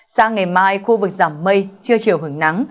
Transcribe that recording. sáng ngày mai khu vực giảm mây chưa chiều hưởng nắng